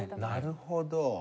なるほど。